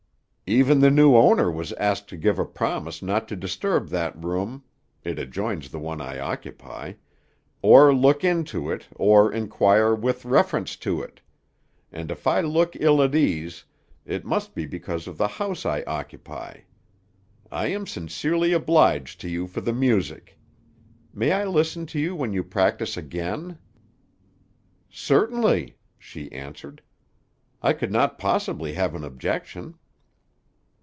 "Even the new owner was asked to give a promise not to disturb that room, it adjoins the one I occupy, or look into it, or inquire with reference to it; and if I look ill at ease, it must be because of the house I occupy. I am sincerely obliged to you for the music. May I listen to you when you practise again?" "Certainly," she answered. "I could not possibly have an objection."